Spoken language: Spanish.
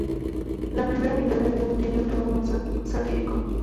La primera mitad del álbum tiene un tono más satírico.